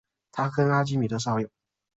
他跟阿基米德是好友。